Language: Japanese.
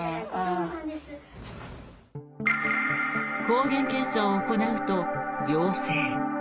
抗原検査を行うと、陽性。